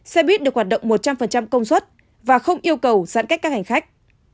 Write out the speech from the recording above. xe buýt được hoạt động một trăm linh công suất và không yêu cầu giãn cách các hành khách